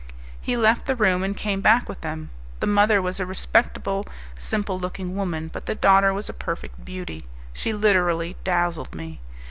He left the room, and came back with them. The mother was a respectable, simple looking woman, but the daughter was a perfect beauty; she literally dazzled me.